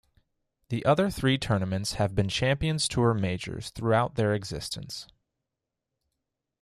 The other three tournaments have been Champions Tour majors throughout their existence.